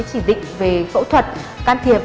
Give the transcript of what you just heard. chỉ định về phẫu thuật can thiệp